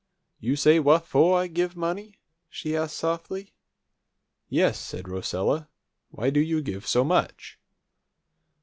"You say wha' fo' I give money?" she asked softly. "Yes," said Rosella. "Why do you give so much?"